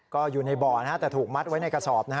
ก็อยู่ในบ่อแต่ถูกมัดไว้ในกระสอบ